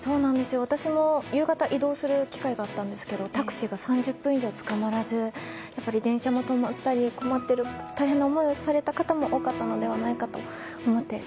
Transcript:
私も夕方移動する機会があったんですがタクシーが３０分以上つかまらず電車も止まったり大変な思いをされた方も多かったのではないかと思って。